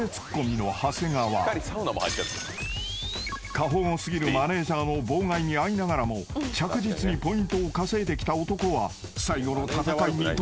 ［過保護過ぎるマネジャーの妨害に遭いながらも着実にポイントを稼いできた男は最後の戦いにどう挑む？］